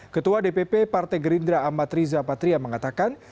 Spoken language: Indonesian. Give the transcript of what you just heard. ketua dpp partai gerindra amat riza patria mengatakan